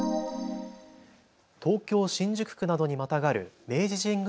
東京新宿区などにまたがる明治神宮